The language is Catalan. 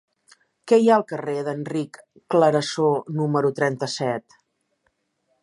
Què hi ha al carrer d'Enric Clarasó número trenta-set?